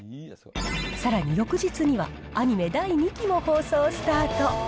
さらに、翌日にはアニメ第２期も放送スタート。